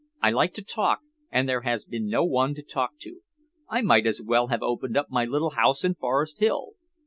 I like to talk, and there has been no one to talk to. I might as well have opened up my little house in Forest Hill."